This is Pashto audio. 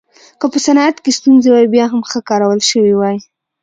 که په صنعت کې ستونزې وای بیا هم ښه کارول شوې وای